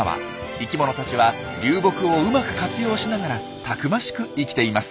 生きものたちは流木をうまく活用しながらたくましく生きています。